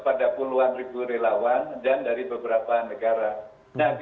pada puluhan ribu relawan dan dari beberapa negara